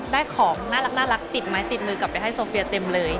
ได้ของน่ารักติดไม้ติดมือกลับไปให้โซเฟียเต็มเลย